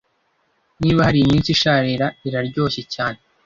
Niba hari iminsi isharira iraryoshye cyane